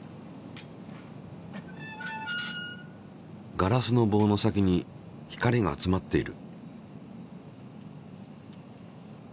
ガラスの棒の先に光が集まっている。